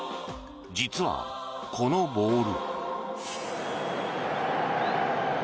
実はこのボール。